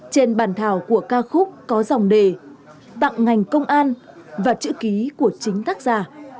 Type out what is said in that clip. trên bàn thảo của ca khúc có dòng đề tặng ngành công an và chữ ký của chính tác giả